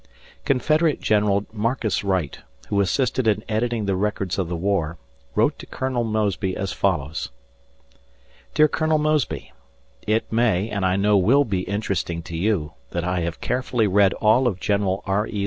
Confederate General Marcus Wright, who assisted in editing the records of the war, wrote to Colonel Mosby as follows: Dear Colonel Mosby: It may and I know will be interesting to you that I have carefully read all of General R. E.